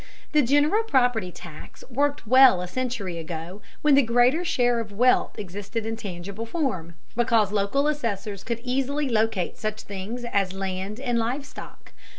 The general property tax worked well a century ago when the greater share of wealth existed in tangible form, because local assessors could easily locate such things as land and live stock.